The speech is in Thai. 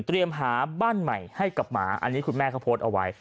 หาบ้านใหม่ให้กับหมาอันนี้คุณแม่เขาโพสต์เอาไว้